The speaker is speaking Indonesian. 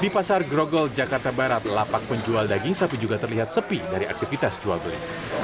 di pasar grogol jakarta barat lapak penjual daging sapi juga terlihat sepi dari aktivitas jual beli